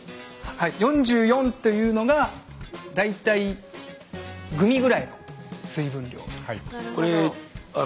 ４４というのが大体グミぐらいの水分量です。